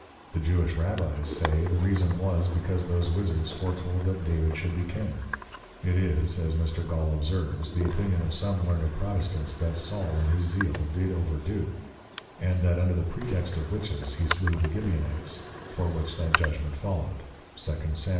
The Jewish Rabbies say, the reason was, because those Wizzards foretold that David should be King. It is (as Mr. Gaul observes) the Opinion of some learned Protestants, that Saul in his Zeal did over do: And that under the Pretext of Witches he slew the Gibeonites, for which that Judgment followed, _2 Sam.